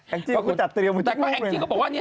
อังกฎเขาจัดเตรียมไปจากรูปไว้